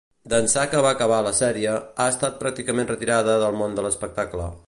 D'ençà que va acabar la sèrie, ha estat pràcticament retirada del món de l'espectacle.